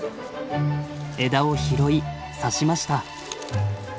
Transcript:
枝を拾い挿しました。